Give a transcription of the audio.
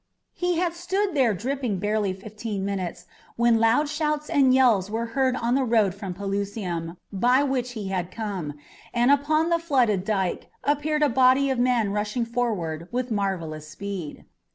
He had stood there dripping barely fifteen minutes when loud shouts and yells were heard on the road from Pelusium by which he had come, and upon the flooded dike appeared a body of men rushing forward with marvellous speed.